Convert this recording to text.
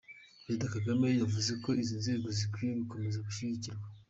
Perezida Kagame yavuze ko izi nzego zikwiye gukomeza gushyigikirwa.